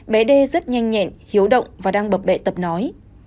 bé đê rất nhanh nhẹn hiếu động và đang bập bẹ tập nói